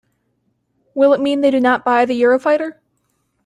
Will it mean they do not buy the Eurofighter?